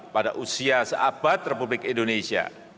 pada usia seabad republik indonesia